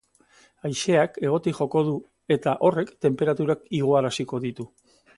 Haizea hegotik joko du, eta horrek tenperaturak igoaraziko ditu.